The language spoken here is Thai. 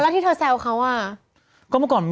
อ๋อทางผ่าน